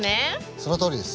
そのとおりです。